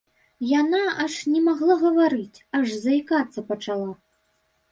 Яна аж не магла гаварыць, аж заікацца пачала.